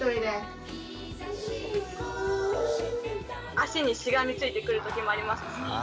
足にしがみついてくるときもありますし。